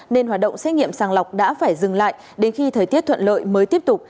nên hoạt động xét nghiệm sàng lọc đã phải dừng lại đến khi thời tiết thuận lợi mới tiếp tục